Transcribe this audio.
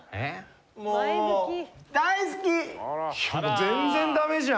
全然ダメじゃん。